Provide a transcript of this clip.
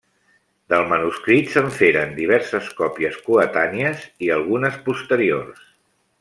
Del manuscrit se'n feren diverses còpies coetànies i algunes posteriors.